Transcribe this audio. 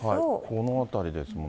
この辺りですよね。